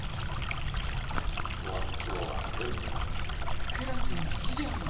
ワンフロア全部。